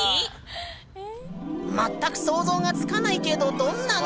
全く想像がつかないけどどんなの？